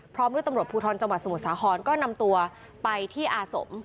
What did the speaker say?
พร้อมด้วยตำรวจภูทรจังหวัดสมุทรสาครก็นำตัวไปที่อาสม